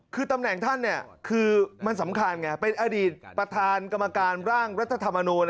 คือตำแหน่งท่านคือมันสำคัญไงเป็นอดีตประธานกรรมการร่างรัฐธรรมนูล